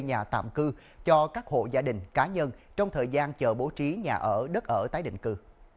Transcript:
nhà tạm cư cho các hộ gia đình cá nhân trong thời gian chờ bố trí nhà ở đất ở tái định cư